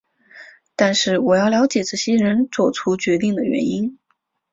但是我要了解这些人作出决定的原因。